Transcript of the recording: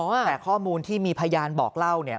แต่ข้อมูลที่มีพยานบอกเล่าเนี่ย